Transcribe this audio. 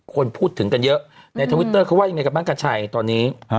คนพูดถึงกันเยอะในทวิตเตอร์เขาว่ายังไงกับบ้านกัญชัยตอนนี้